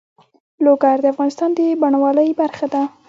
لوگر د افغانستان د بڼوالۍ برخه ده.